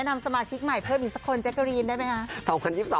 นำสมาชิกใหม่เพิ่มอีกสักคนแจ๊กกะรีนได้ไหมคะ